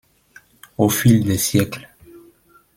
Au fil des siècles.